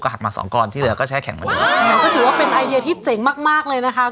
หักมาสองก้อนที่เหลือก็แช่แข็งเหมือนเดิมก็ถือว่าเป็นไอเดียที่เจ๋งมากมากเลยนะคะ